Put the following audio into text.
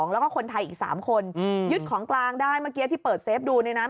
แล้วก็คนไทยอีก๓คนยึดของกลางได้เมื่อกี้ที่เปิดเซฟดูเนี่ยนะ